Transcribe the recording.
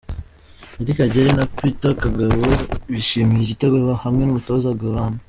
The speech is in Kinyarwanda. Meddie Kagere na Peter Kagabo bishimira igitego hamwe n’umutoza Goran.